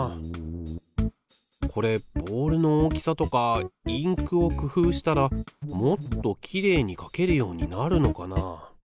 これボールの大きさとかインクを工夫したらもっときれいに書けるようになるのかなあ。